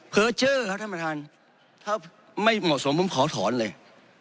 เจอร์ครับท่านประธานถ้าไม่เหมาะสมผมขอถอนเลย